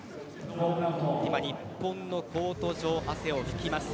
日本のコート上汗を拭きます。